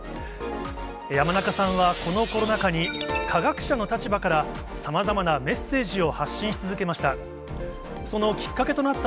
山中さんは、このコロナ禍に、科学者の立場からさまざまなメッセージを発信し続けました。